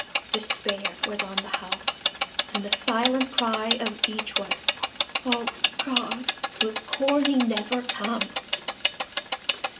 Despair was on the house and the silent cry of each was, "Oh, God! will Corney never come?"